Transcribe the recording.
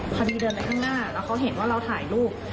พอดีเดินไปข้างหน้าแล้วเขาเห็นว่าเราถ่ายรูป